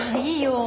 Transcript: いいよ